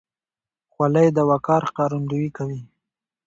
خولۍ د وقار ښکارندویي کوي.